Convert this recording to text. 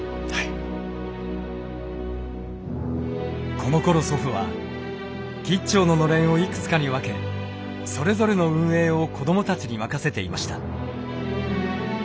このころ祖父は兆ののれんをいくつかに分けそれぞれの運営を子どもたちに任せていました。